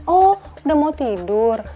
oh udah mau tidur